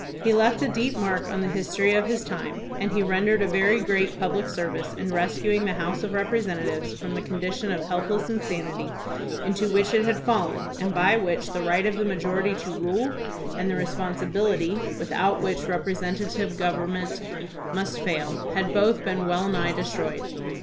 He left a deep mark on the history of his time, and he rendered a very great public service in rescuing the House of Representatives from the condition of help less inanity into which it had fallen and by which the right of the majority to rule and the responsibility, 188 THOMAS BRACKETT REED without which representative government must fail, had both been well nigh destroyed.